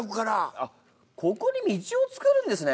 あっここに道を作るんですね。